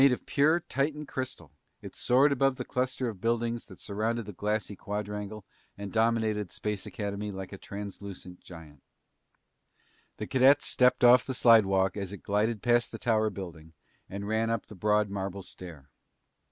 Made of pure Titan crystal, it soared above the cluster of buildings that surrounded the grassy quadrangle and dominated Space Academy like a translucent giant. The cadets stepped off the slidewalk as it glided past the Tower building and ran up the broad marble stair.